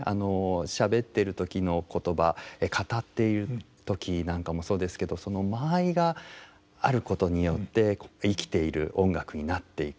しゃべってる時の言葉語っている時なんかもそうですけどその間合いがあることによって生きている音楽になっていく。